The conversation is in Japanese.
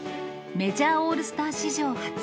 メジャーオールスター史上初。